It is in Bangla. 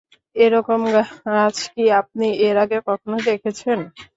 এ-রকম গাছ কি আপনি এর আগে কখনো দেখেছেন?